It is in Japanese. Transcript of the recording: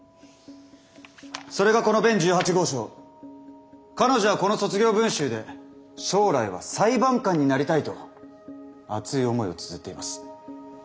それがこの弁１８号証彼女はこの卒業文集で将来は裁判官になりたいと熱い思いをつづっています。